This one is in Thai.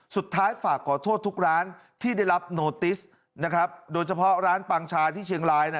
สุดท้ายฝากขอโทษทุกร้านที่ได้รับโนติสนะครับโดยเฉพาะร้านปังชาที่เชียงรายน่ะ